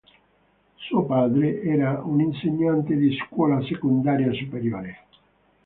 Suo padre era un insegnante di scuola secondaria superiore.